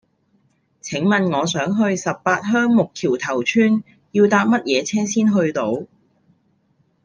請問我想去十八鄉木橋頭村要搭乜嘢車先去到